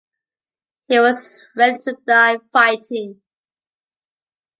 He was ready to die fighting.